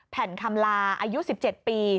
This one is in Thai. แผ่นคำลาอายุ๑๗ปี